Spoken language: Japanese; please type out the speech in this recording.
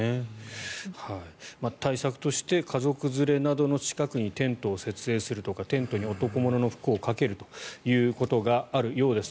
対策として家族連れなどの近くにテントを設営するとかテントに男物の服をかけるということがあるようです。